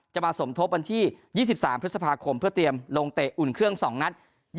จะมาสมทบวันที่๒๓พฤษภาคมเพื่อเตรียมลงเตะอุ่นเครื่อง๒นัด